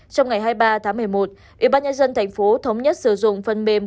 trong ngày hai mươi ba tháng một mươi một ủy ban nhân dân tp cn thống nhất sử dụng phần mềm